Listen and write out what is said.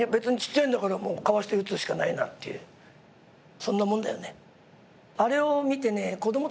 そんなもんだよね。